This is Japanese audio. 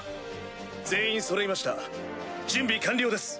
全員そろいました準備完了です！